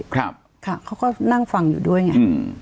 เขาก็นั่งฟังอยู่ด้วยไง